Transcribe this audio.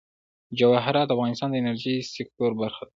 جواهرات د افغانستان د انرژۍ سکتور برخه ده.